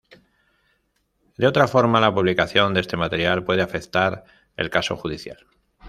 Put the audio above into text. De otra forma la publicación de este material puede afectar el caso judicial.